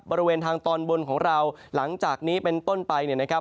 บริเวณทางตอนบนของเราหลังจากนี้เป็นต้นไปเนี่ยนะครับ